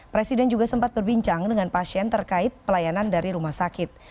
presiden juga sempat berbincang dengan pasien terkait pelayanan dari rumah sakit